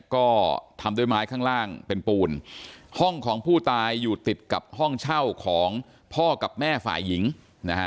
ก็ทำด้วยไม้ข้างล่างเป็นปูนห้องของผู้ตายอยู่ติดกับห้องเช่าของพ่อกับแม่ฝ่ายหญิงนะฮะ